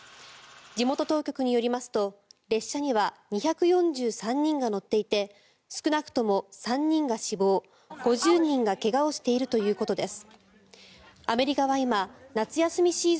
地元当局によりますと列車には２４３人が乗っていて少なくとも３人が死亡５０人が怪我をしているということです。